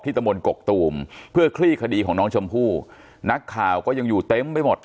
ตะมนต์กกตูมเพื่อคลี่คดีของน้องชมพู่นักข่าวก็ยังอยู่เต็มไปหมด